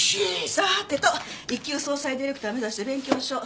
さーてと一級葬祭ディレクター目指して勉強しよう。